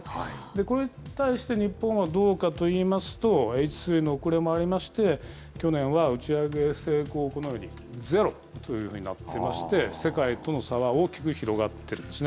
これに対して、日本はどうかといいますと、Ｈ３の遅れもありまして、去年は打ち上げ成功、このようにゼロというふうになってまして、世界との差は大きく広がっているんですね。